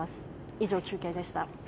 以上、中継でした。